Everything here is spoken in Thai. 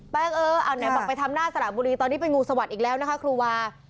เออเอาไหนบอกไปทำหน้าสระบุรีตอนนี้เป็นงูสวัสดิ์อีกแล้วนะคะครูวา